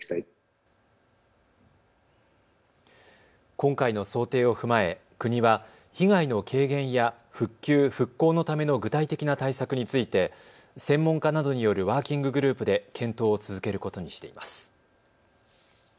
今回の想定を踏まえ、国は被害の軽減や復旧・復興のための具体的な対策について専門家などによるワーキンググループで検討を続けることにしています。